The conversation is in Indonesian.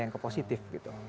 yang ke positif